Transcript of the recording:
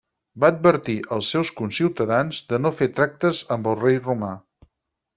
Va advertir als seus conciutadans de no fer tractes amb el rei romà.